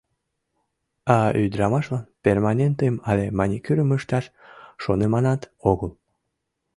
А ӱдрамашлан перманентым але маникюрым ышташ шоныманат огыл.